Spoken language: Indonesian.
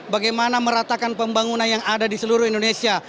bagaimana meratakan pembangunan yang ada di seluruh indonesia